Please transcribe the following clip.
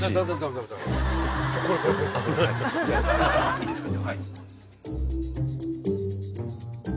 いいですか？